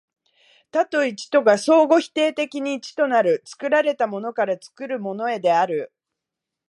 多と一とが相互否定的に一となる、作られたものから作るものへである。